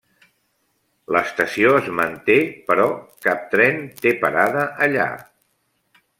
L'estació es manté però cap tren té parada allà.